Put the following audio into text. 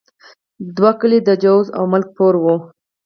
دوه کلي د جوزه او ملک پور وو.